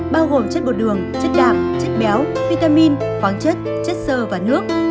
bao gồm chất bột đường chất đạp chất béo vitamin khoáng chất chất sơ và nước